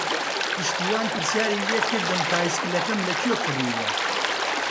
پشتیوان پرسیاری لێ کردم پایسکلەکەم لەکوێ کڕیوە.